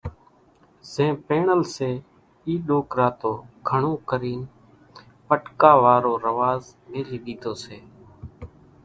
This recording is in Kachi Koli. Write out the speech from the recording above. زين ڀڻل سي اِي ڏوڪرا تو هويَ گھڻون ڪرين پٽڪا وارو رواز ميڪِي ۮيڌو سي۔